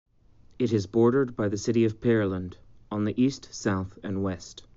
It is bordered by the city of Pearland on the east, south, and west.